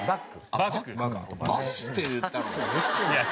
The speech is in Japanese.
バスって言ったのかと。